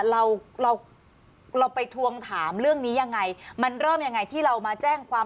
เราเราไปทวงถามเรื่องนี้ยังไงมันเริ่มยังไงที่เรามาแจ้งความ